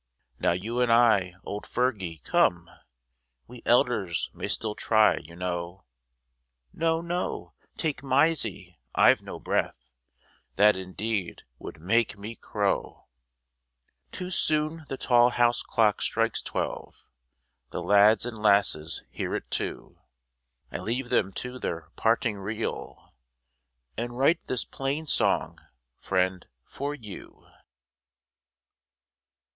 Now you and I, old Fergie, come, We elders may still try, you know, No, no ! take Mysie, I've no breath, That indeed would make me crow ! Too soon the tall house clock strikes twelve, The lads and lasses hear it too, I leave them to their parting reel, And write this plain song, friend, for you.